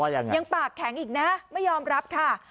ยังปากแข็งอีกนะไม่ยอมรับค่ะ